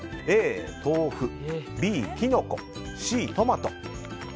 Ａ、豆腐Ｂ、キノコＣ、トマト。